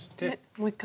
もう一回。